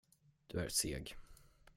Du är seg.